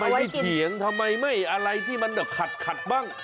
ไม่เถียงทำไมไม่อะไรที่มันแบบขัดบ้าง